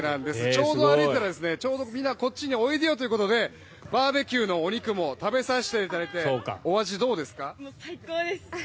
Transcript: ちょうど歩いてたらこっちにおいでよということでバーベキューのお肉も食べさせていただいて最高です！